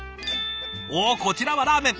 おこちらはラーメン。